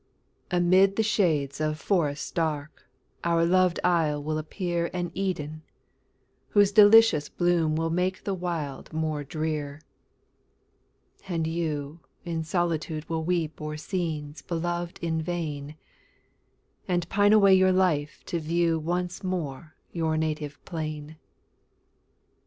Amid the shades of forests dark, Our loved isle will appear An Eden, whose delicious bloom Will make the wild more drear. And you in solitude will weep O'er scenes beloved in vain, And pine away your life to view Once more your native plain.